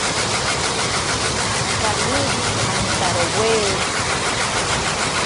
Kaniri antarowe.